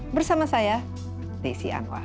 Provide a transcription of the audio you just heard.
bersama saya desi anwar